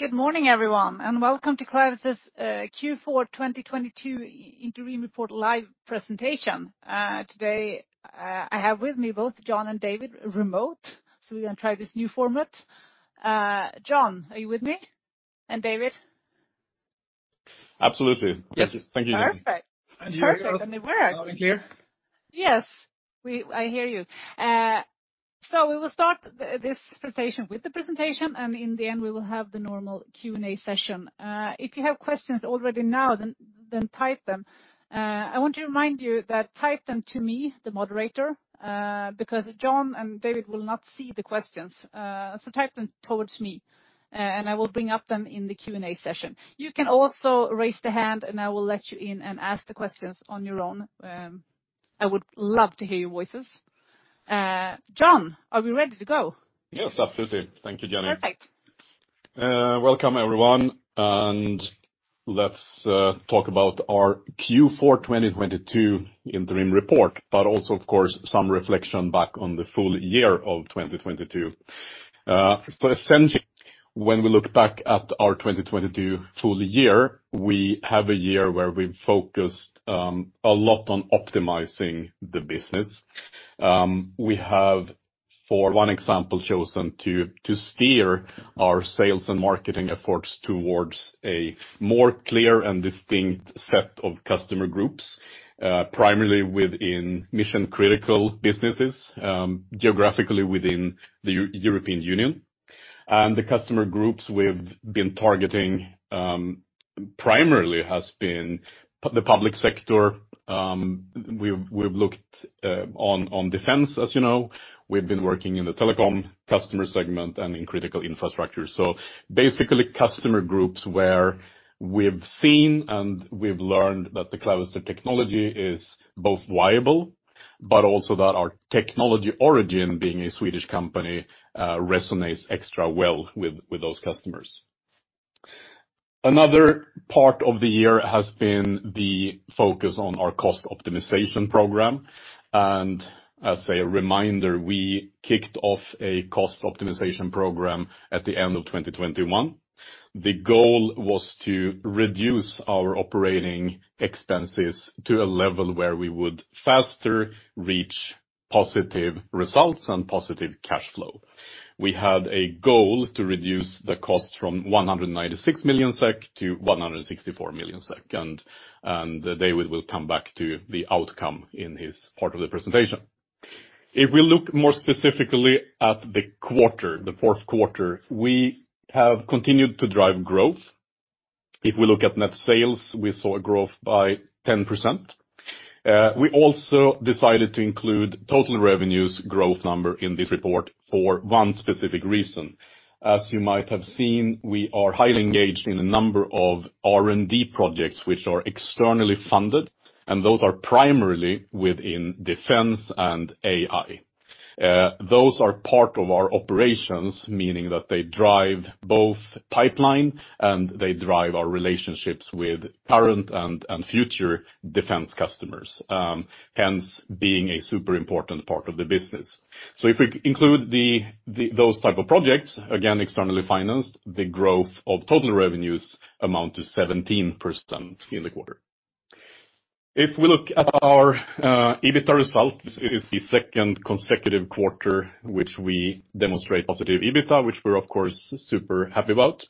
Good morning, everyone, welcome to Clavister's Q4 2022 interim report live presentation. Today, I have with me both John and David remote. We're gonna try this new format. John, are you with me? David? Absolutely. Yes. Thank you. Perfect. Perfect. It works. Can you hear us loud and clear? Yes. I hear you. We will start this presentation with the presentation, and in the end, we will have the normal Q&A session. If you have questions already now, then type them. I want to remind you that type them to me, the moderator, because John and David will not see the questions. Type them towards me, and I will bring up them in the Q&A session. You can also raise the hand, and I will let you in and ask the questions on your own. I would love to hear your voices. John, are we ready to go? Yes, absolutely. Thank you, Jenny. Perfect. Welcome, everyone. Let's talk about our Q4 2022 interim report, but also, of course, some reflection back on the full year of 2022. Essentially, when we look back at our 2022 full year, we have a year where we focused a lot on optimizing the business. We have, for one example, chosen to steer our sales and marketing efforts towards a more clear and distinct set of customer groups, primarily within mission-critical businesses, geographically within the European Union. The customer groups we've been targeting primarily has been the public sector. We've looked on defense, as you know. We've been working in the telecom customer segment and in critical infrastructure. Basically, customer groups where we've seen and we've learned that the Clavister technology is both viable, but also that our technology origin, being a Swedish company, resonates extra well with those customers. Another part of the year has been the focus on our cost optimization program. As a reminder, we kicked off a cost optimization program at the end of 2021. The goal was to reduce our operating expenses to a level where we would faster reach positive results and positive cash flow. We had a goal to reduce the cost from 196 million SEK to 164 million SEK. David will come back to the outcome in his part of the presentation. If we look more specifically at the quarter, the fourth quarter, we have continued to drive growth. We look at net sales, we saw a growth by 10%. We also decided to include total revenues growth number in this report for one specific reason. As you might have seen, we are highly engaged in a number of R&D projects which are externally funded, and those are primarily within defense and AI. Those are part of our operations, meaning that they drive both pipeline, and they drive our relationships with current and future defense customers, hence being a super important part of the business. If we include those type of projects, again, externally financed, the growth of total revenues amount to 17% in the quarter. If we look at our EBITDA result, this is the second consecutive quarter which we demonstrate positive EBITDA, which we're of course super happy about.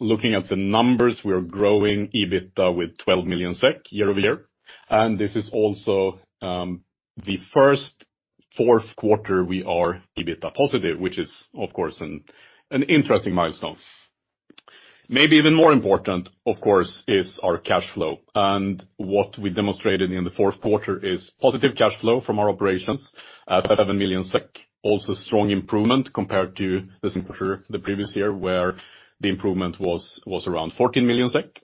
Looking at the numbers, we are growing EBITDA with 12 million SEK year-over-year, and this is also the first fourth quarter we are EBITDA positive, which is of course an interesting milestone. Maybe even more important, of course, is our cash flow. What we demonstrated in the fourth quarter is positive cash flow from our operations at 7 million SEK, also strong improvement compared to this quarter the previous year, where the improvement was around 14 million SEK.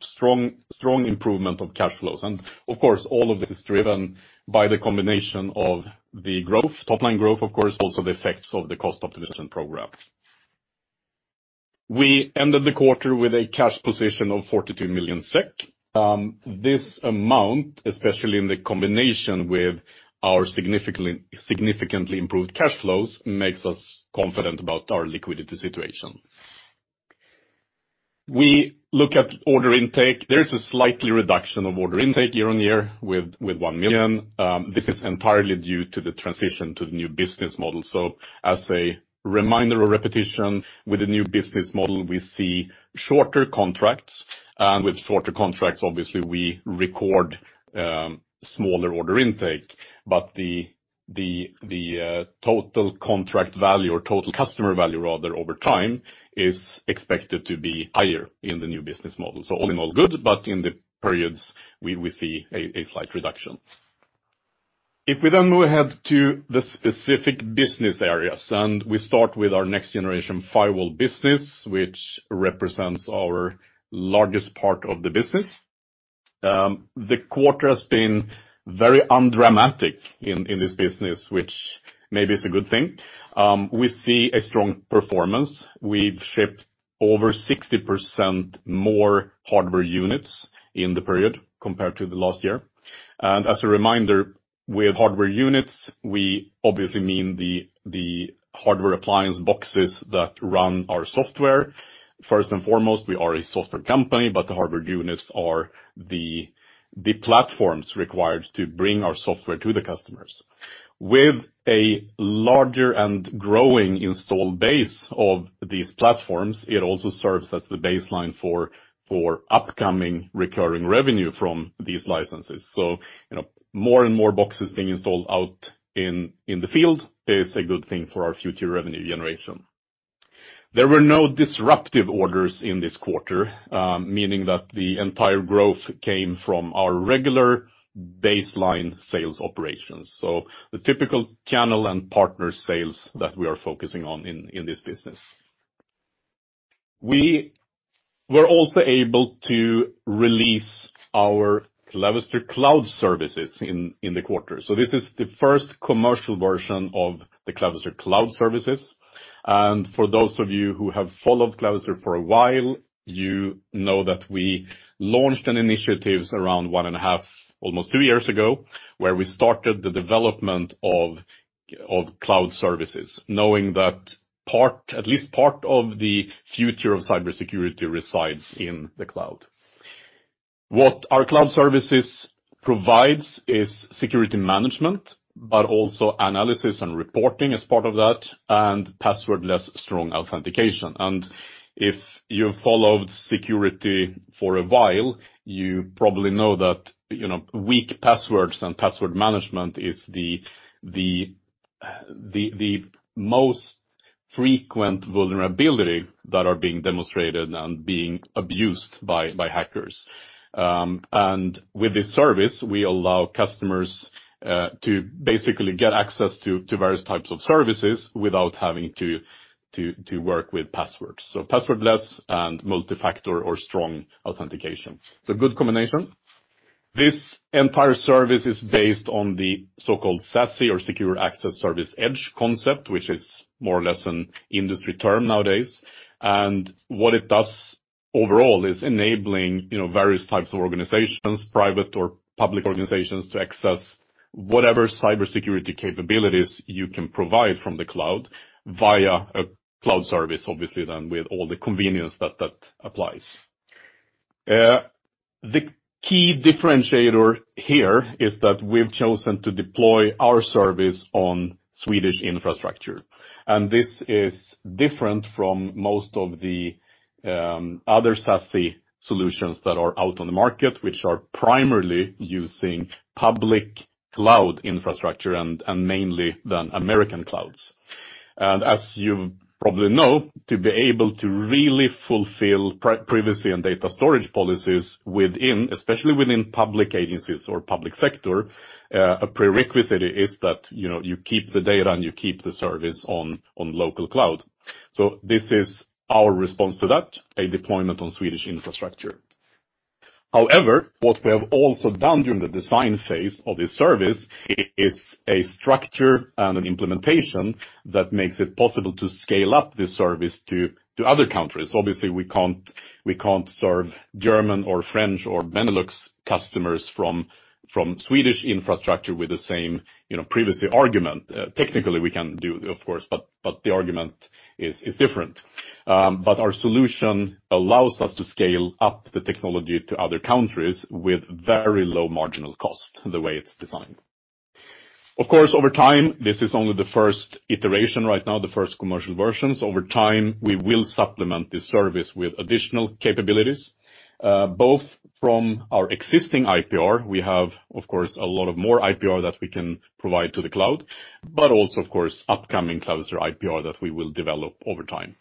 Strong improvement of cash flows. Of course, all of this is driven by the combination of the growth, top-line growth, of course, also the effects of the cost optimization program. We ended the quarter with a cash position of 42 million SEK. This amount, especially in the combination with our significantly improved cash flows, makes us confident about our liquidity situation. We look at order intake. There is a slight reduction of order intake year-on-year with 1 million. This is entirely due to the transition to the new business model. As a reminder or repetition, with the new business model, we see shorter contracts. With shorter contracts, obviously, we record smaller order intake. The total contract value or total customer value rather over time is expected to be higher in the new business model. All in all good, but in the periods, we see a slight reduction. If we then move ahead to the specific business areas, we start with our next generation firewall business, which represents our largest part of the business. The quarter has been very undramatic in this business, which maybe is a good thing. We see a strong performance. We've shipped over 60% more hardware units in the period compared to the last year. As a reminder, with hardware units, we obviously mean the hardware appliance boxes that run our software. First and foremost, we are a software company, but the hardware units are the platforms required to bring our software to the customers. With a larger and growing install base of these platforms, it also serves as the baseline for upcoming recurring revenue from these licenses. You know, more and more boxes being installed out in the field is a good thing for our future revenue generation. There were no disruptive orders in this quarter, meaning that the entire growth came from our regular baseline sales operations. The typical channel and partner sales that we are focusing on in this business. We were also able to release our Clavister Cloud services in the quarter. This is the first commercial version of the Clavister Cloud services. For those of you who have followed Clavister for a while, you know that we launched an initiatives around one and a half, almost two years ago, where we started the development of cloud services, knowing that at least part of the future of cybersecurity resides in the cloud. What our cloud services provides is security management, but also analysis and reporting as part of that, and password less strong authentication. If you followed security for a while, you probably know that, you know, weak passwords and password management is the most frequent vulnerability that are being demonstrated and being abused by hackers. With this service, we allow customers to basically get access to various types of services without having to work with passwords. Password less and multi-factor or strong authentication. It's a good combination. This entire service is based on the so-called SASE or secure access service edge concept, which is more or less an industry term nowadays. What it does overall is enabling, you know, various types of organizations, private or public organizations, to access whatever cybersecurity capabilities you can provide from the cloud via a cloud service, obviously then with all the convenience that that applies. The key differentiator here is that we've chosen to deploy our service on Swedish infrastructure. This is different from most of the other SASE solutions that are out on the market, which are primarily using public cloud infrastructure and mainly than American clouds. As you probably know, to be able to really fulfill privacy and data storage policies within, especially within public agencies or public sector, a prerequisite is that, you know, you keep the data and you keep the service on local cloud. This is our response to that, a deployment on Swedish infrastructure. However, what we have also done during the design phase of this service is a structure and an implementation that makes it possible to scale up this service to other countries. Obviously, we can't, we can't serve German or French or Benelux customers from Swedish infrastructure with the same, you know, privacy argument. Technically, we can do, of course, but the argument is different. Our solution allows us to scale up the technology to other countries with very low marginal cost, the way it's designed. Of course, over time, this is only the first iteration right now, the first commercial versions. Over time, we will supplement this service with additional capabilities, both from our existing IPR. We have, of course, a lot of more IPR that we can provide to the cloud, but also, of course, upcoming Clavister IPR that we will develop over time.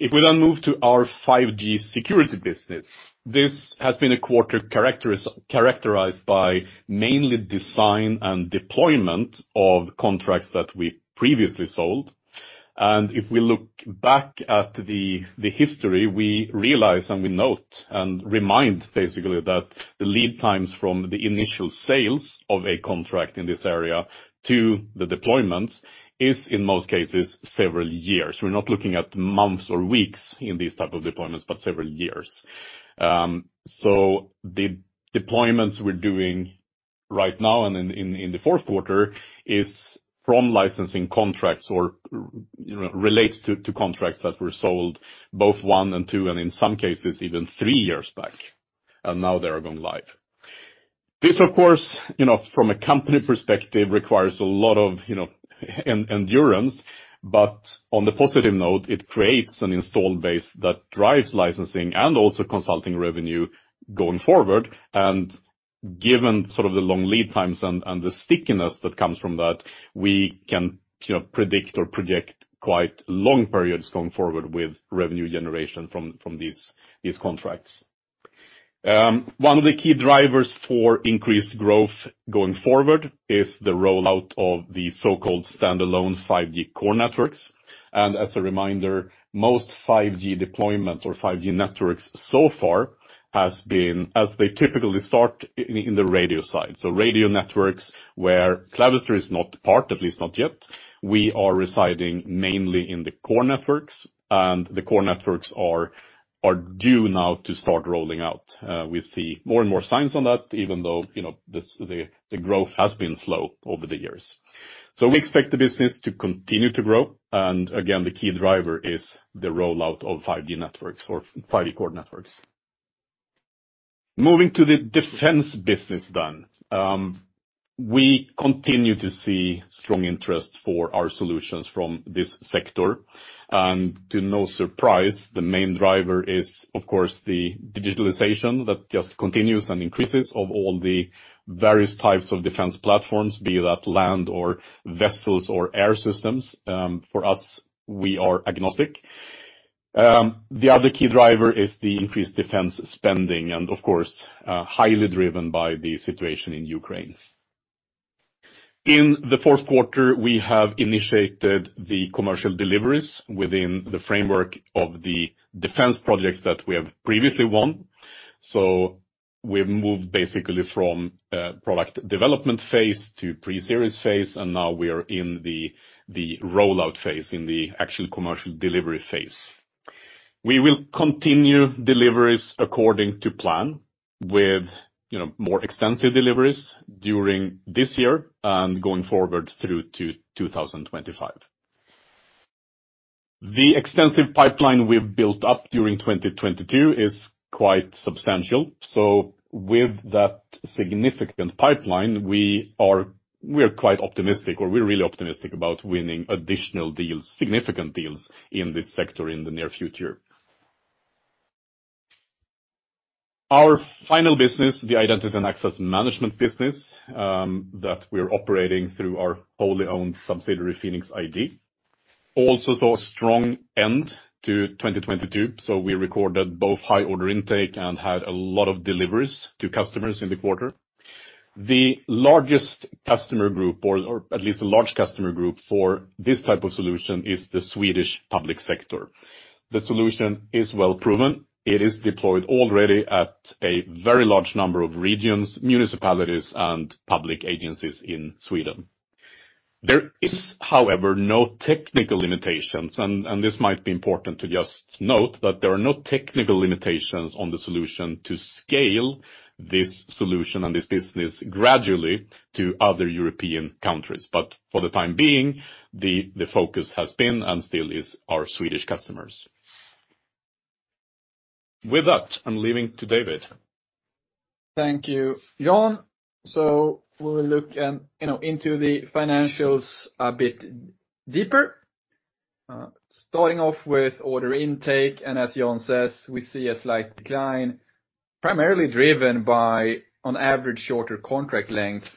If we then move to our 5G security business, this has been a quarter characterized by mainly design and deployment of contracts that we previously sold. If we look back at the history, we realize and we note and remind basically that the lead times from the initial sales of a contract in this area to the deployments is, in most cases, several years. We're not looking at months or weeks in these type of deployments, but several years. The deployments we're doing right now in the fourth quarter is from licensing contracts or, you know, relates to contracts that were sold both one and two, and in some cases, even three years back, and now they are going live. This, of course, you know, from a company perspective, requires a lot of, you know, endurance, but on the positive note, it creates an install base that drives licensing and also consulting revenue going forward. Given sort of the long lead times and the stickiness that comes from that, we can, you know, predict or project quite long periods going forward with revenue generation from these contracts. One of the key drivers for increased growth going forward is the rollout of the so-called Standalone 5G Core Networks. As a reminder, most 5G deployment or 5G networks so far has been as they typically start in the radio side. Radio networks where Clavister is not part, at least not yet. We are residing mainly in the core networks, and the core networks are due now to start rolling out. We see more and more signs on that, even though, you know, the growth has been slow over the years. We expect the business to continue to grow, and again, the key driver is the rollout of 5G networks or 5G core networks. Moving to the defense business. We continue to see strong interest for our solutions from this sector. To no surprise, the main driver is, of course, the digitalization that just continues and increases of all the various types of defense platforms, be that land or vessels or air systems. For us, we are agnostic. The other key driver is the increased defense spending, and of course, highly driven by the situation in Ukraine. In the fourth quarter, we have initiated the commercial deliveries within the framework of the defense projects that we have previously won. We've moved basically from product development phase to pre-series phase, and now we are in the rollout phase, in the actual commercial delivery phase. We will continue deliveries according to plan with, you know, more extensive deliveries during this year and going forward through to 2025. The extensive pipeline we've built up during 2022 is quite substantial. With that significant pipeline, we're quite optimistic, or we're really optimistic about winning additional deals, significant deals in this sector in the near future. Our final business, the Identity and Access Management business that we're operating through our wholly owned subsidiary, PhenixID, also saw a strong end to 2022. We recorded both high order intake and had a lot of deliveries to customers in the quarter. The largest customer group or at least a large customer group for this type of solution is the Swedish public sector. The solution is well proven. It is deployed already at a very large number of regions, municipalities, and public agencies in Sweden. There is, however, no technical limitations, and this might be important to just note that there are no technical limitations on the solution to scale this solution and this business gradually to other European countries. For the time being, the focus has been and still is our Swedish customers. With that, I'm leaving to David. Thank you, John. We'll look, you know, into the financials a bit deeper. Starting off with order intake, as John says, we see a slight decline, primarily driven by on average shorter contract lengths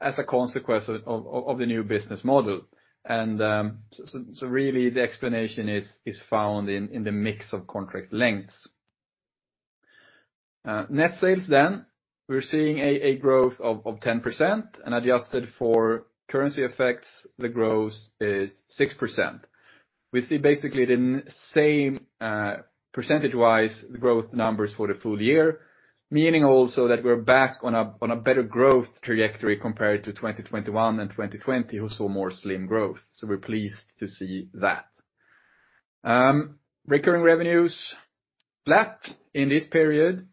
as a consequence of the new business model. Really the explanation is found in the mix of contract lengths. Net sales, we're seeing a growth of 10%, adjusted for currency effects, the growth is 6%. We see basically the same percentage-wise growth numbers for the full year, meaning also that we're back on a better growth trajectory compared to 2021 and 2020, who saw more slim growth. We're pleased to see that. Recurring revenues, flat in this period,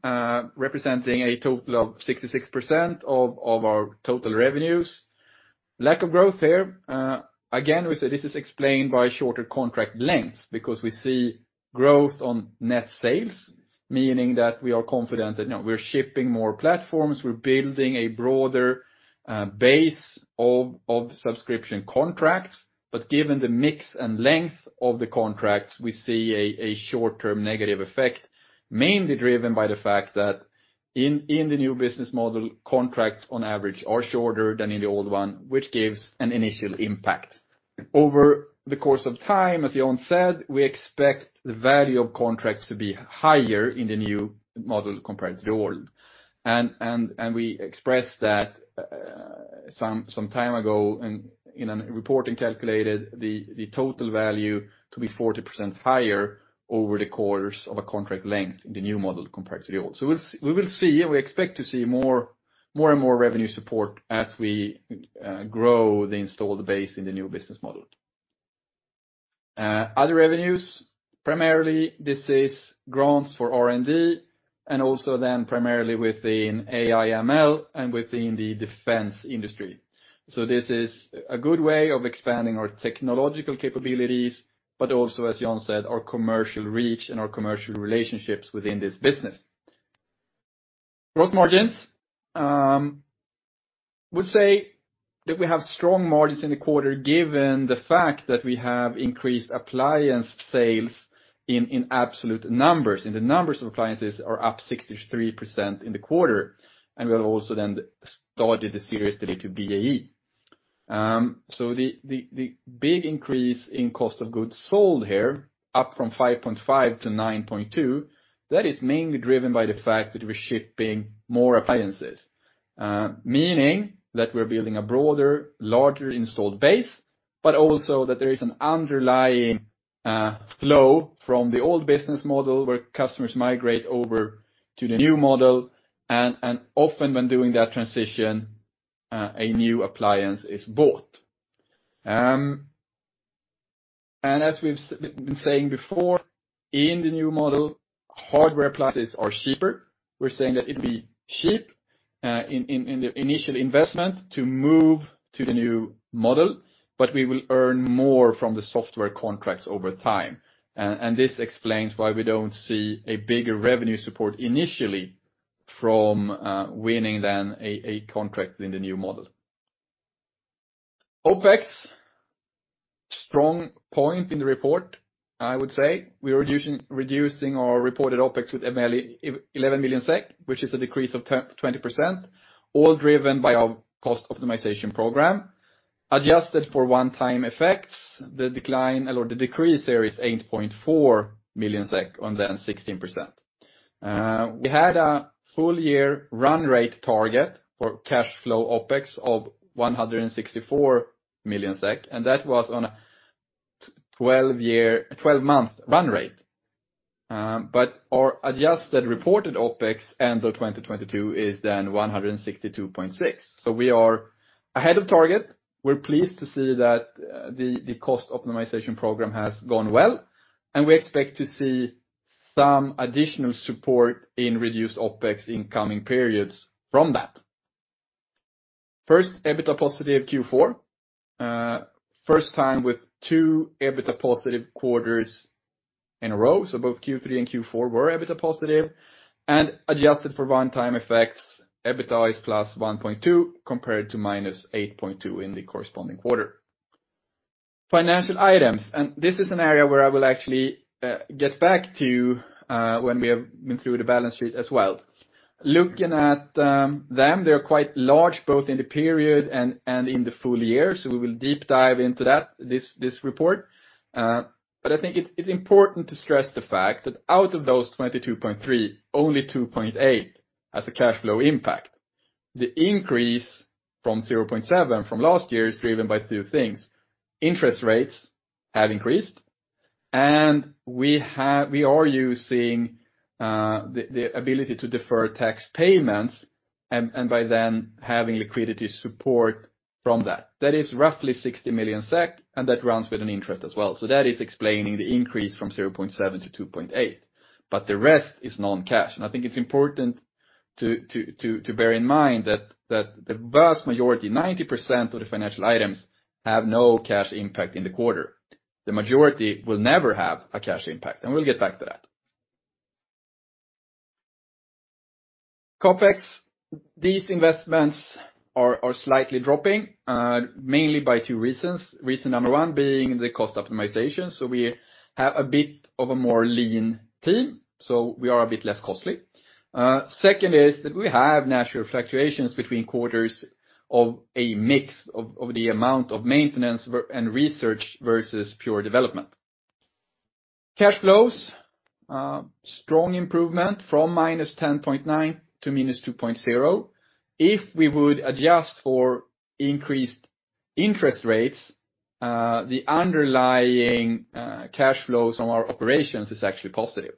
representing a total of 66% of our total revenues. Lack of growth here. Again, we say this is explained by shorter contract lengths because we see growth on net sales, meaning that we are confident that, you know, we're shipping more platforms, we're building a broader base of subscription contracts. Given the mix and length of the contracts, we see a short-term negative effect, mainly driven by the fact that in the new business model, contracts on average are shorter than in the old one, which gives an initial impact. Over the course of time, as John said, we expect the value of contracts to be higher in the new model compared to the old. We expressed that some time ago in a reporting calculated the total value to be 40% higher over the course of a contract length in the new model compared to the old. We will see, we expect to see more and more revenue support as we grow the installed base in the new business model. Other revenues, primarily this is grants for R&D and also then primarily within AI ML and within the defense industry. This is a good way of expanding our technological capabilities, but also, as John said, our commercial reach and our commercial relationships within this business. Gross margins, would say that we have strong margins in the quarter given the fact that we have increased appliance sales in absolute numbers. The numbers of appliances are up 63% in the quarter. We have also then started the series related to BAE. The big increase in cost of goods sold here, up from 5.5 to 9.2, that is mainly driven by the fact that we're shipping more appliances. Meaning that we're building a broader, larger installed base, but also that there is an underlying flow from the old business model where customers migrate over to the new model, and often when doing that transition, a new appliance is bought. As we've been saying before, in the new model, hardware appliances are cheaper. We're saying that it'd be cheap in the initial investment to move to the new model, but we will earn more from the software contracts over time. This explains why we don't see a bigger revenue support initially from winning a contract in the new model. OpEx. Strong point in the report, I would say. We're reducing our reported OpEx with only 11 million SEK, which is a decrease of 20%, all driven by our cost optimization program. Adjusted for one-time effects, the decline or the decrease there is 8.4 million SEK on 16%. We had a full year run rate target for cash flow OpEx of 164 million SEK, and that was on a 12-month run rate. Our adjusted reported OpEx end of 2022 is then 162.6. We are ahead of target. We're pleased to see that the cost optimization program has gone well, and we expect to see some additional support in reduced OpEx in coming periods from that. First, EBITDA positive Q4. First time with two EBITDA positive quarters in a row. Both Q3 and Q4 were EBITDA positive. Adjusted for one-time effects, EBITDA is +1.2, compared to -8.2 in the corresponding quarter. Financial items, and this is an area where I will actually get back to when we have been through the balance sheet as well. Looking at them, they're quite large, both in the period and in the full year, so we will deep dive into that, this report. I think it's important to stress the fact that out of those 22.3, only 2.8 has a cash flow impact. The increase from 0.7 from last year is driven by two things. Interest rates have increased, and we are using the ability to defer tax payments and by then having liquidity support from that. That is roughly 60 million SEK, and that runs with an interest as well. That is explaining the increase from 0.7 to 2.8. The rest is non-cash. I think it's important to bear in mind that the vast majority, 90% of the financial items, have no cash impact in the quarter. The majority will never have a cash impact, and we'll get back to that. CapEx. These investments are slightly dropping, mainly by two reasons. Reason number one being the cost optimization. We have a bit of a more lean team, so we are a bit less costly. Second is that we have natural fluctuations between quarters of a mix of the amount of maintenance and research versus pure development. Cash flows strong improvement from -10.9 to -2.0. If we would adjust for increased interest rates, the underlying cash flows on our operations is actually positive.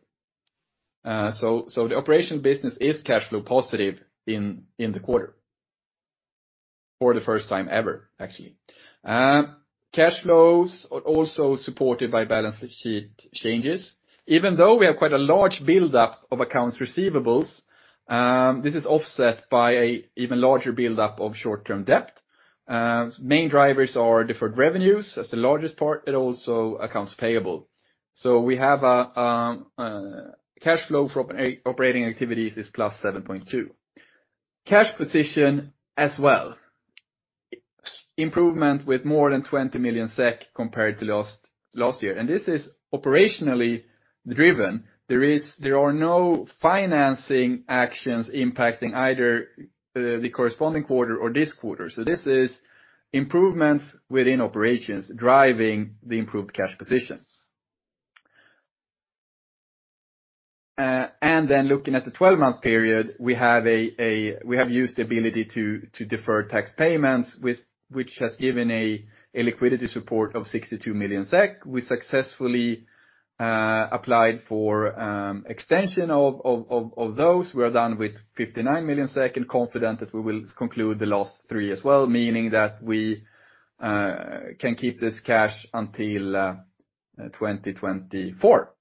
The operation business is cash flow positive in the quarter for the first time ever, actually. Cash flows are also supported by balance sheet changes. Even though we have quite a large buildup of accounts receivables, this is offset by an even larger buildup of short-term debt. Main drivers are deferred revenues as the largest part, and also accounts payable. We have a cash flow from operating activities is +7.2. Cash position as well, improvement with more than 20 million SEK compared to last year. This is operationally driven. There are no financing actions impacting either the corresponding quarter or this quarter. This is improvements within operations driving the improved cash positions. Looking at the 12-month period, we have used the ability to defer tax payments which has given a liquidity support of 62 million SEK. We successfully applied for extension of those. We are done with 59 million and confident that we will conclude the last three as well, meaning that we can keep this cash until 2024.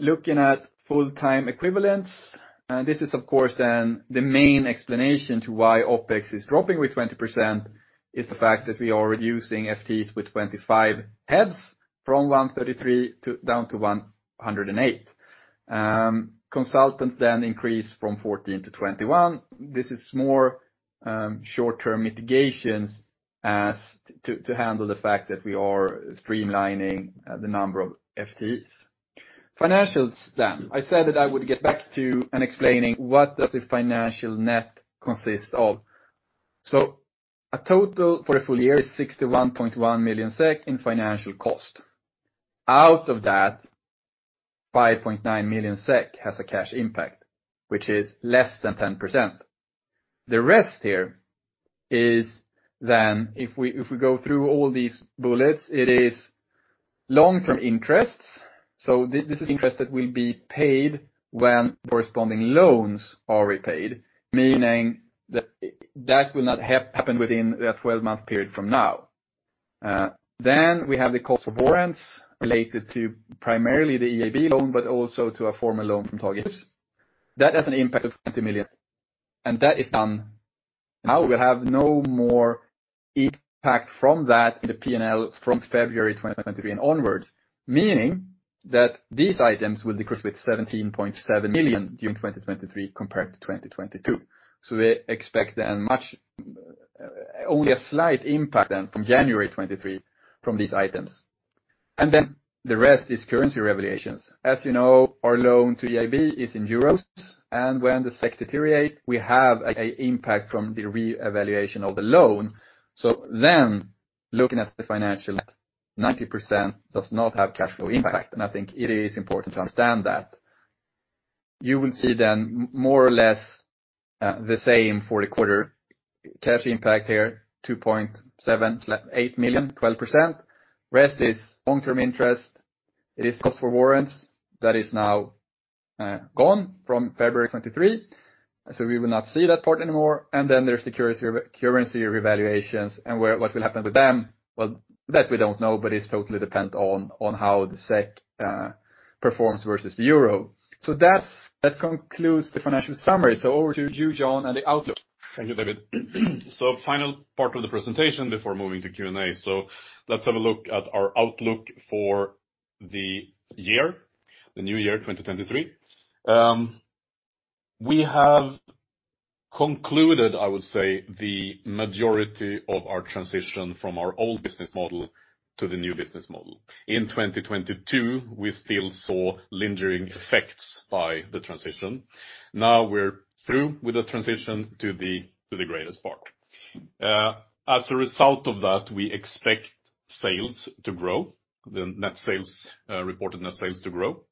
Looking at full-time equivalents, this is of course then the main explanation to why OpEx is dropping with 20% is the fact that we are reducing FTEs with 25 heads from 133 to down to 108. Consultants increase from 14 to 21. This is more short-term mitigations to handle the fact that we are streamlining the number of FTEs. Financials. I said that I would get back to and explaining what does the financial net consists of. A total for the full year is 61.1 million SEK in financial cost. Out of that, 5.9 million SEK has a cash impact, which is less than 10%. The rest here is then, if we go through all these bullets, it is long-term interests. This is interest that will be paid when corresponding loans are repaid, meaning that will not happen within a 12-month period from now. We have the cost for warrants related to primarily the EIB loan, but also to a former loan from Tagehus. That has an impact of 20 million, and that is done. Now we have no more impact from that in the P&L from February 2023 and onwards, meaning that these items will decrease with 17.7 million during 2023 compared to 2022. We expect then much, only a slight impact then from January 2023 from these items. The rest is currency revelations. As you know, our loan to EIB is in euros, and when the Swedish krona deteriorate, we have a impact from the reevaluation of the loan. Looking at the financial, 90% does not have cash flow impact. I think it is important to understand that. You will see then more or less the same for the quarter cash impact here, 8 million, 12%. Rest is long-term interest. It is cost for warrants that is now gone from February 2023. We will not see that part anymore. There's the currency revaluations and what will happen with them, well, that we don't know, but it's totally dependent on how the Swedish krona performs versus the euro. That's. That concludes the financial summary. Over to you, John, and the outlook. Thank you, David. Final part of the presentation before moving to Q&A. Let's have a look at our outlook for the year, the new year, 2023. We have concluded, I would say, the majority of our transition from our old business model to the new business model. In 2022, we still saw lingering effects by the transition. Now we're through with the transition to the greatest part. As a result of that, we expect sales to grow, the net sales, reported net sales to grow.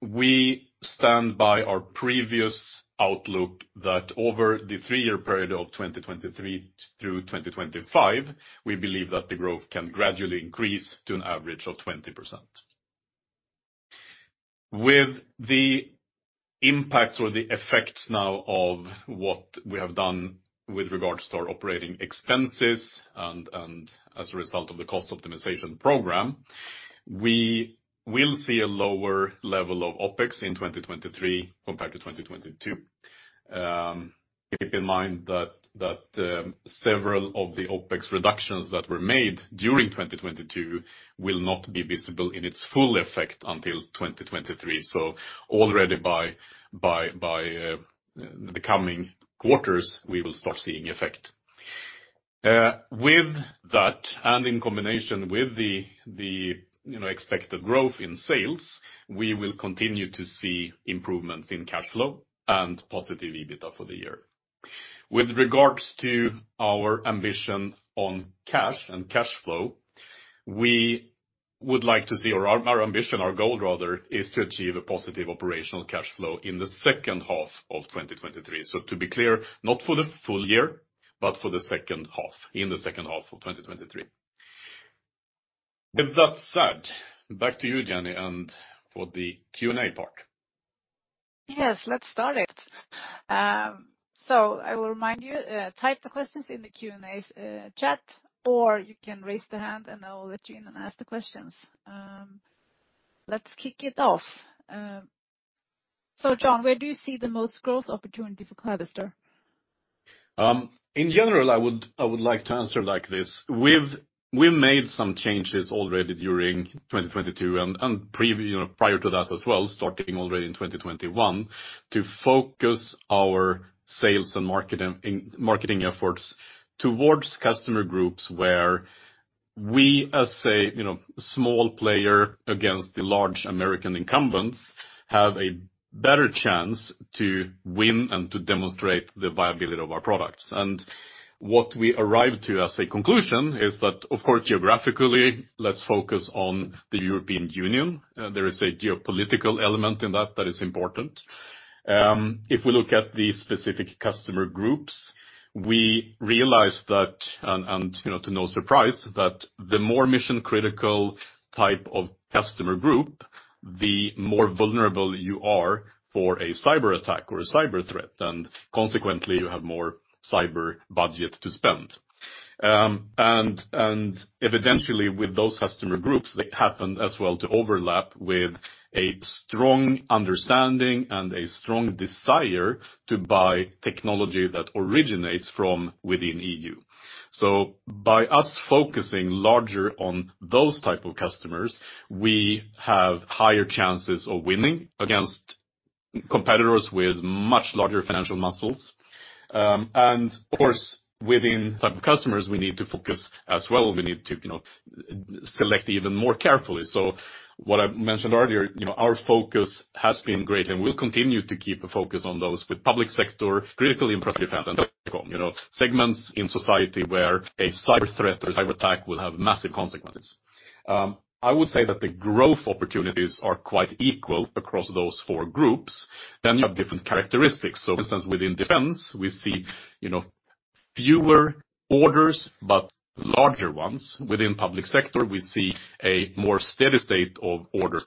We stand by our previous outlook that over the three-year period of 2023 through 2025, we believe that the growth can gradually increase to an average of 20%. With the impacts or the effects now of what we have done with regards to our operating expenses and as a result of the cost optimization program, we will see a lower level of OpEx in 2023 compared to 2022. Keep in mind that several of the OpEx reductions that were made during 2022 will not be visible in its full effect until 2023. Already by the coming quarters, we will start seeing effect. With that, and in combination with the you know expected growth in sales, we will continue to see improvements in cash flow and positive EBITDA for the year. With regards to our ambition on cash and cash flow, we would like to see our ambition, our goal rather, is to achieve a positive operational cash flow in the second half of 2023. To be clear, not for the full year, but for the second half, in the second half of 2023. With that said, back to you, Jenny, and for the Q&A part. Yes, let's start it. I will remind you, type the questions in the Q&A chat, or you can raise the hand and I'll let you in and ask the questions. Let's kick it off. John, where do you see the most growth opportunity for Clavister? In general, I would like to answer like this. We've, we made some changes already during 2022 and, prior to that as well, starting already in 2021, to focus our sales and marketing efforts towards customer groups where we as a, you know, small player against the large American incumbents, have a better chance to win and to demonstrate the viability of our products. What we arrived to as a conclusion is that, of course, geographically, let's focus on the European Union. There is a geopolitical element in that that is important. If we look at the specific customer groups, we realized that, you know, to no surprise, that the more mission-critical type of customer group, the more vulnerable you are for a cyberattack or a cyber threat. Consequently, you have more cyber budget to spend. Evidentially, with those customer groups, they happen as well to overlap with a strong understanding and a strong desire to buy technology that originates from within EU. By us focusing larger on those type of customers, we have higher chances of winning against Competitors with much larger financial muscles. Of course, within type of customers, we need to focus as well. We need to, you know, select even more carefully. What I mentioned earlier, you know, our focus has been great, and we'll continue to keep a focus on those with public sector, critical infrastructure, defense, and telecom. You know, segments in society where a cyber threat or a cyberattack will have massive consequences. I would say that the growth opportunities are quite equal across those four groups. You have different characteristics. For instance, within defense, we see, you know, fewer orders, but larger ones. Within public sector, we see a more steady state of orders,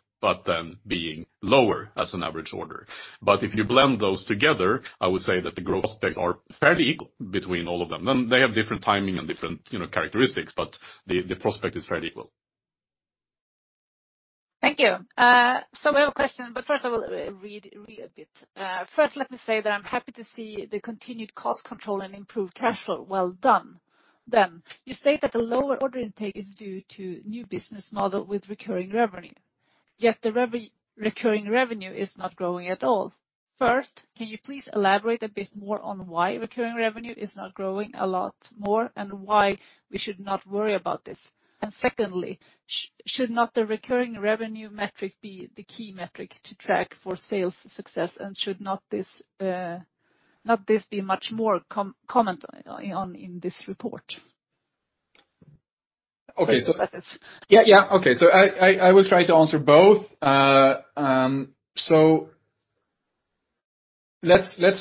being lower as an average order. If you blend those together, I would say that the growth specs are fairly equal between all of them. They have different timing and different, you know, characteristics, but the prospect is fairly equal. Thank you. I have a question, first I will read a bit. First, let me say that I'm happy to see the continued cost control and improved cash flow. Well done. You state that the lower order intake is due to new business model with recurring revenue, yet the recurring revenue is not growing at all. First, can you please elaborate a bit more on why recurring revenue is not growing a lot more and why we should not worry about this? Secondly, should not the recurring revenue metric be the key metric to track for sales success, and should not this be much more comment on in this report? Okay. That is. Yeah. Okay. I will try to answer both. Let's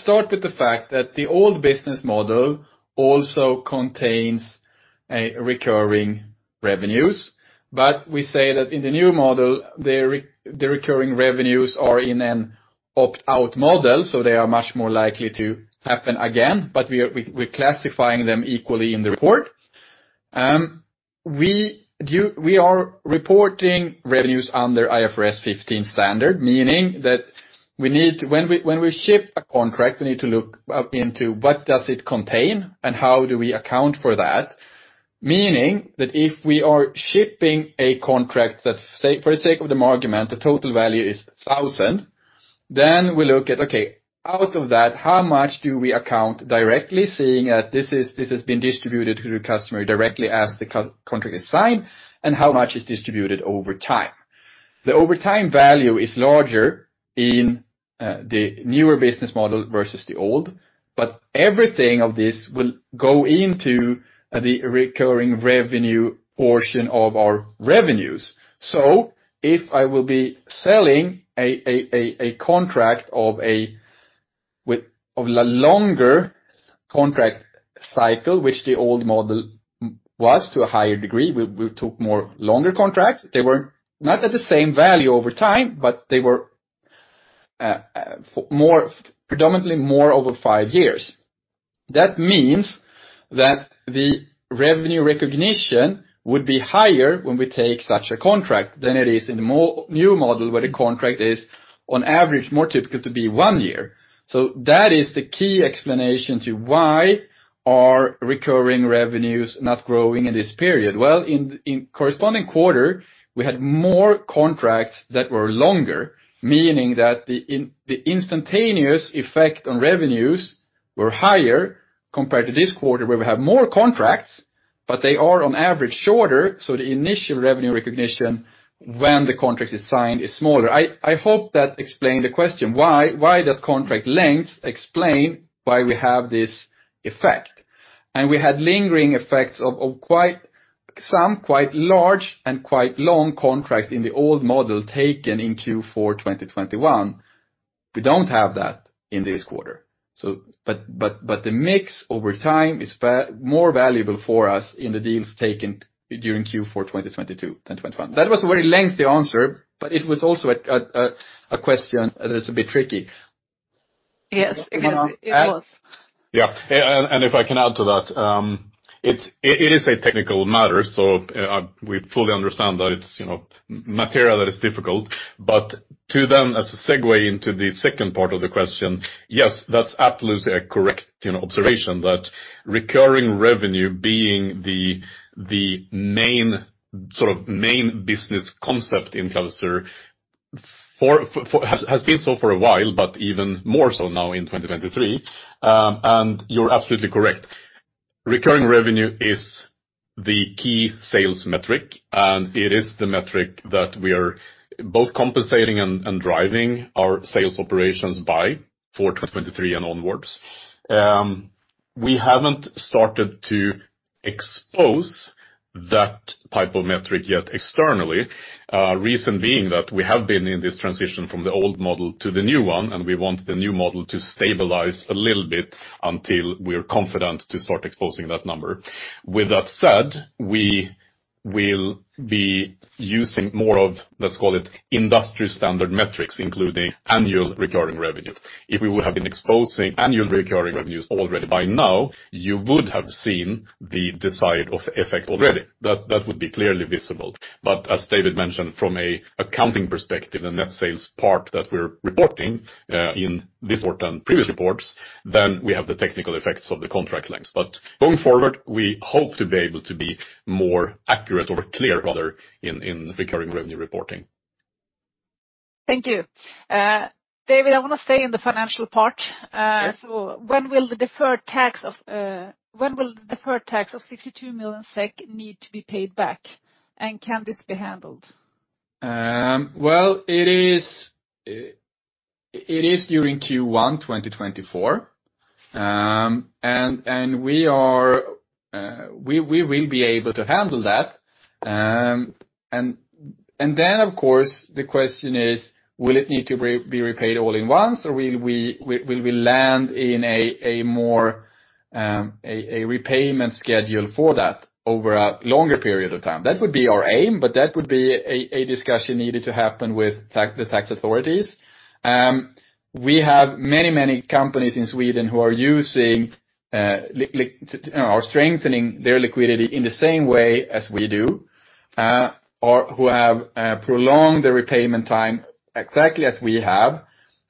start with the fact that the old business model also contains a recurring revenues. We say that in the new model, the recurring revenues are in an opt-out model, so they are much more likely to happen again. We're classifying them equally in the report. We are reporting revenues under IFRS 15 standard, meaning that we need, when we ship a contract, we need to look into what does it contain and how do we account for that. Meaning that if we are shipping a contract that, say, for the sake of the argument, the total value is 1,000, then we look at, okay, out of that, how much do we account directly, seeing that this is, this has been distributed to the customer directly as the co-contract is signed, and how much is distributed over time. The over time value is larger in the newer business model versus the old. Everything of this will go into the recurring revenue portion of our revenues. If I will be selling a contract of a longer contract cycle, which the old model was to a higher degree, we took more longer contracts. They were not at the same value over time, they were predominantly more over five years. That means that the revenue recognition would be higher when we take such a contract than it is in the new model, where the contract is on average more typical to be one year. That is the key explanation to why are recurring revenues not growing in this period. In corresponding quarter, we had more contracts that were longer, meaning that the instantaneous effect on revenues were higher compared to this quarter, where we have more contracts, but they are on average shorter, so the initial revenue recognition when the contract is signed is smaller. I hope that explained the question, why does contract length explain why we have this effect? We had lingering effects of quite some quite large and quite long contracts in the old model taken in Q4, 2021. We don't have that in this quarter. The mix over time is more valuable for us in the deals taken during Q4, 2022 than 2021. That was a very lengthy answer, but it was also a question that's a bit tricky. Yes. Yes, it was. Yeah. And if I can add to that, it is a technical matter, we fully understand that it's, you know, material that is difficult. To then, as a segue into the second part of the question, yes, that's absolutely a correct, you know, observation, that recurring revenue being the main, sort of main business concept in Clavister for has been so for a while, but even more so now in 2023. You're absolutely correct. Recurring revenue is the key sales metric, and it is the metric that we are both compensating and driving our sales operations by for 2023 and onwards. We haven't started to expose that type of metric yet externally. Reason being that we have been in this transition from the old model to the new one. We want the new model to stabilize a little bit until we're confident to start exposing that number. With that said, we will be using more of, let's call it industry standard metrics, including annual recurring revenue. If we would have been exposing annual recurring revenues already by now, you would have seen the desired of effect already. That would be clearly visible. As David mentioned, from an accounting perspective, the net sales part that we're reporting in this report and previous reports, then we have the technical effects of the contract lengths. Going forward, we hope to be able to be more accurate or clear, rather, in recurring revenue reporting. Thank you. David, I want to stay in the financial part. Yes. When will the deferred tax of 62 million SEK need to be paid back? Can this be handled? Well, it is during Q1 2024. We will be able to handle that. Then of course, the question is, will it need to be repaid all at once or will we land in a more repayment schedule for that over a longer period of time? That would be our aim, but that would be a discussion needed to happen with tax, the tax authorities. We have many companies in Sweden who are using, you know, are strengthening their liquidity in the same way as we do, or who have prolonged the repayment time exactly as we have.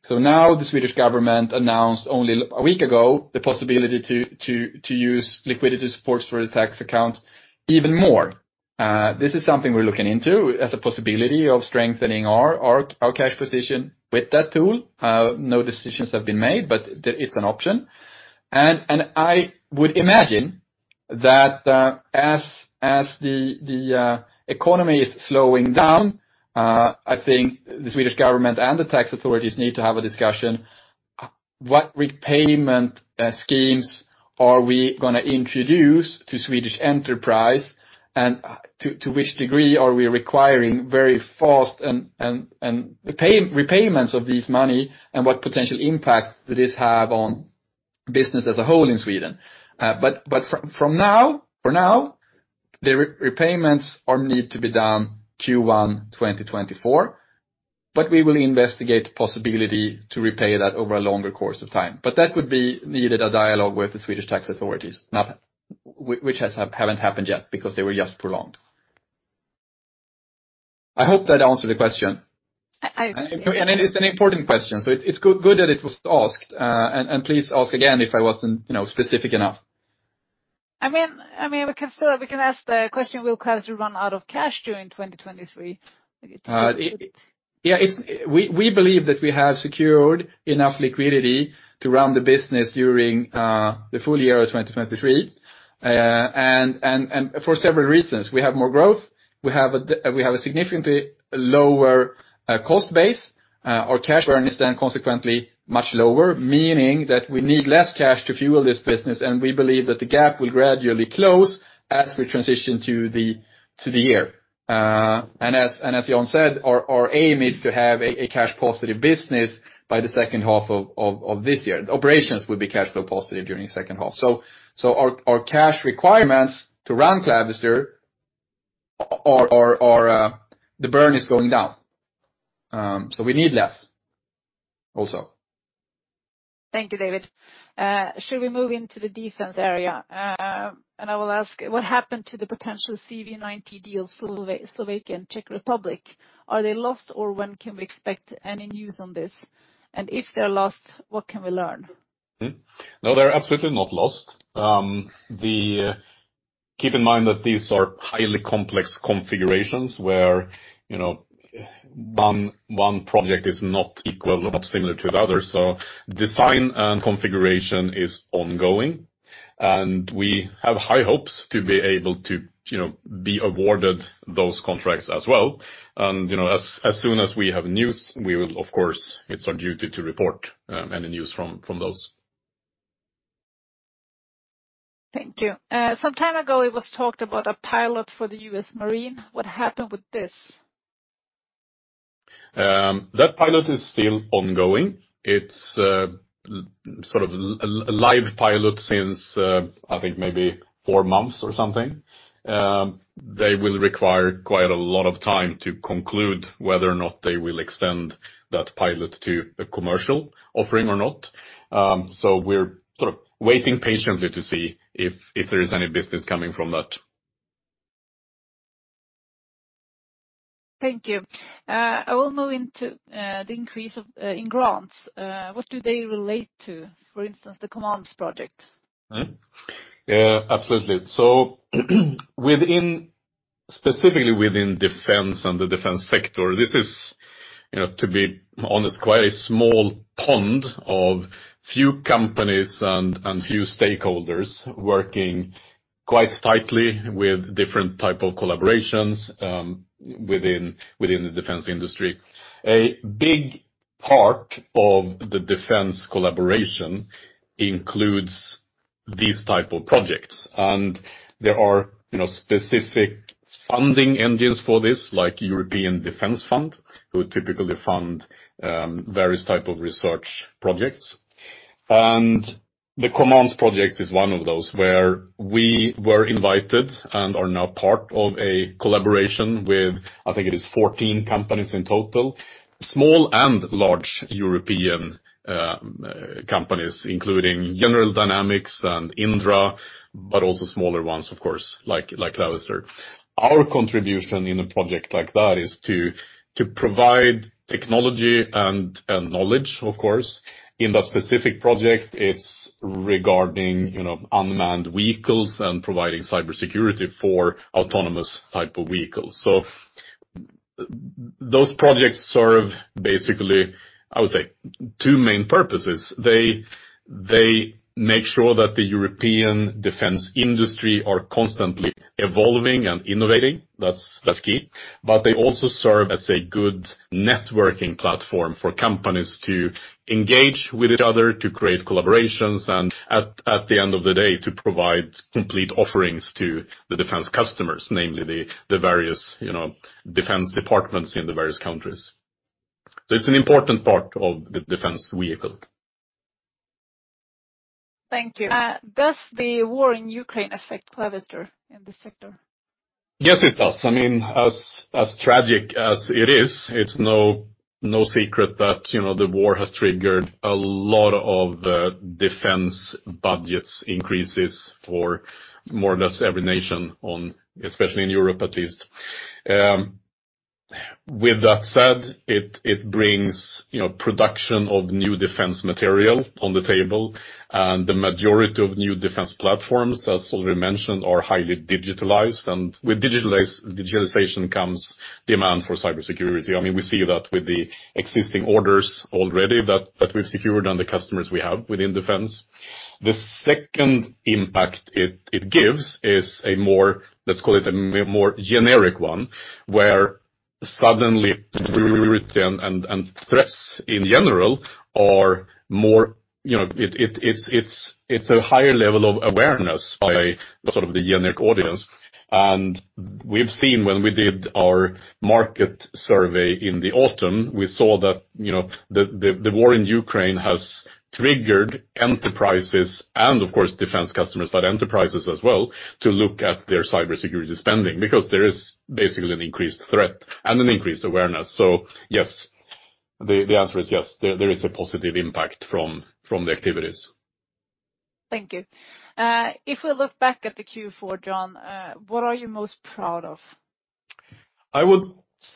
Now the Swedish government announced only a week ago the possibility to use liquidity supports for the tax account even more. This is something we're looking into as a possibility of strengthening our cash position with that tool. No decisions have been made, but it's an option. I would imagine that as the economy is slowing down, I think the Swedish government and the tax authorities need to have a discussion. What repayment schemes are we gonna introduce to Swedish enterprise? To which degree are we requiring very fast and repayments of this money, and what potential impact does this have on business as a whole in Sweden? For now, the repayments need to be done Q1 2024, we will investigate the possibility to repay that over a longer course of time. That would be needed a dialogue with the Swedish tax authorities. Which haven't happened yet because they were just prolonged. I hope that answered the question. I, I- It is an important question, so it's good that it was asked. Please ask again if I wasn't, you know, specific enough. I mean, we can still ask the question, will Clavister run out of cash during 2023? We believe that we have secured enough liquidity to run the business during the full year of 2023. For several reasons. We have more growth. We have a significantly lower cost base. Our cash burn is then consequently much lower, meaning that we need less cash to fuel this business, and we believe that the gap will gradually close as we transition to the year. As John said, our aim is to have a cash positive business by the second half of this year. The operations will be cash flow positive during second half. Our cash requirements to run Clavister are, the burn is going down. We need less also. Thank you, David. Shall we move into the defense area? I will ask, what happened to the potential CV90 deal, Slovakian, Czech Republic? Are they lost, or when can we expect any news on this? If they're lost, what can we learn? No, they're absolutely not lost. Keep in mind that these are highly complex configurations where, you know, one project is not equal or similar to the other, so design and configuration is ongoing. We have high hopes to be able to, you know, be awarded those contracts as well. You know, as soon as we have news, we will, of course, it's our duty to report any news from those. Thank you. Some time ago, it was talked about a pilot for the U.S. Marine. What happened with this? That pilot is still ongoing. It's, sort of a live pilot since, I think maybe four months or something. They will require quite a lot of time to conclude whether or not they will extend that pilot to a commercial offering or not. We're sort of waiting patiently to see if there is any business coming from that. Thank you. I will move into the increase of in grants. What do they relate to? For instance, the COMMANDS project. Yeah, absolutely. Within, specifically within defense and the defense sector, this is, you know, to be honest, quite a small pond of few companies and few stakeholders working quite tightly with different type of collaborations within the defense industry. A big part of the defense collaboration includes these type of projects. There are, you know, specific funding engines for this, like European Defence Fund, who typically fund various type of research projects. The COMMANDS project is one of those where we were invited and are now part of a collaboration with, I think it is 14 companies in total. Small and large European companies, including General Dynamics and Indra, but also smaller ones, of course, like Clavister. Our contribution in a project like that is to provide technology and knowledge, of course. In that specific project, it's regarding, you know, unmanned vehicles and providing cybersecurity for autonomous type of vehicles. Those projects serve basically, I would say two main purposes. They make sure that the European defense industry are constantly evolving and innovating. That's key. They also serve as a good networking platform for companies to engage with each other, to create collaborations, and at the end of the day, to provide complete offerings to the defense customers, namely the various, you know, defense departments in the various countries. It's an important part of the defense vehicle. Thank you. Does the war in Ukraine affect Clavister in this sector? Yes, it does. I mean, as tragic as it is, it's no secret that, you know, the war has triggered a lot of the defense budgets increases for more or less every nation on, especially in Europe, at least. With that said, it brings, you know, production of new defense material on the table. The majority of new defense platforms, as already mentioned, are highly digitalized. With digitalization comes demand for cybersecurity. I mean, we see that with the existing orders already that we've secured on the customers we have within defense. The second impact it gives is a more, let's call it a more generic one, where suddenly and threats in general are more, you know, it, it's, it's a higher level of awareness by the sort of the generic audience. We've seen when we did our market survey in the autumn, we saw that, you know, the war in Ukraine has triggered enterprises and of course, defense customers, but enterprises as well, to look at their cybersecurity spending because there is basically an increased threat and an increased awareness. Yes, the answer is yes. There is a positive impact from the activities. Thank you. If we look back at the Q4, John, what are you most proud of? I would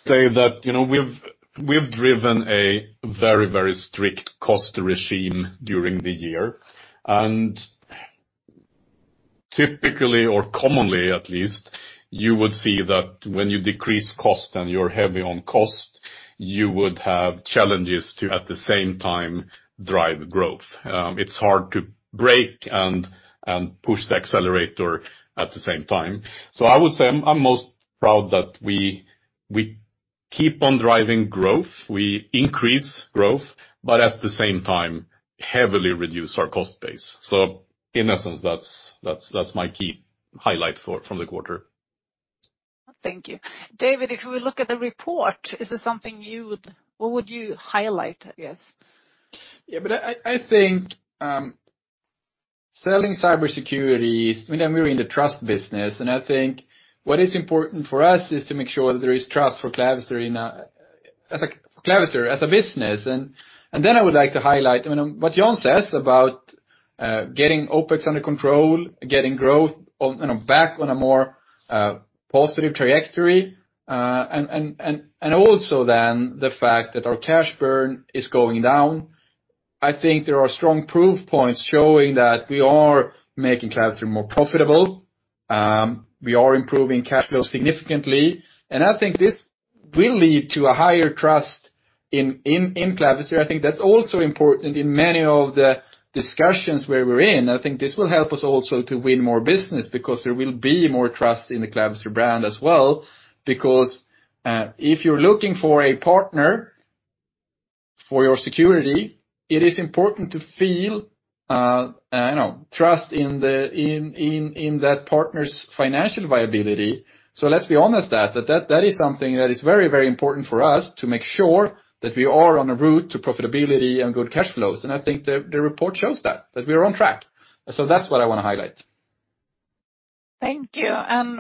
say that, you know, we've driven a very, very strict cost regime during the year. Typically or commonly at least, you would see that when you decrease cost and you're heavy on cost, you would have challenges to, at the same time, drive growth. It's hard to break and push the accelerator at the same time. I would say I'm most proud that we keep on driving growth, we increase growth, but at the same time, heavily reduce our cost base. In essence, that's my key highlight from the quarter. Thank you. David, if we look at the report, what would you highlight, I guess? Yeah, but I think selling cybersecurity is. I mean, we're in the trust business, and I think what is important for us is to make sure that there is trust for Clavister as a business. Then I would like to highlight, I mean, what John says about getting OpEx under control, getting growth on, you know, back on a more positive trajectory, and also then the fact that our cash burn is going down. I think there are strong proof points showing that we are making Clavister more profitable, we are improving cash flow significantly, and I think this will lead to a higher trust in Clavister. I think that's also important in many of the discussions where we're in. I think this will help us also to win more business because there will be more trust in the Clavister brand as well. Because, if you're looking for a partner for your security, it is important to feel, you know, trust in that partner's financial viability. Let's be honest that is something that is very, very important for us to make sure that we are on a route to profitability and good cash flows. I think the report shows that we are on track. That's what I wanna highlight. Thank you.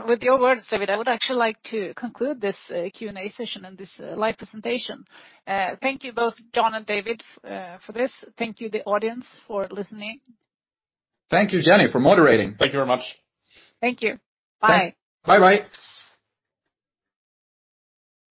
With your words, David, I would actually like to conclude this Q&A session and this live presentation. Thank you both, John and David, for this. Thank you, the audience, for listening. Thank you, Jenny, for moderating. Thank you very much. Thank you. Bye. Bye bye.